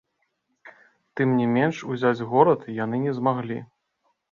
Тым не менш узяць горад яны не змаглі.